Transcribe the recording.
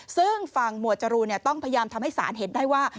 ซึ่งฝั่งหมวดจรูนต้องพยายามทำให้ศาลเห็นได้ว่า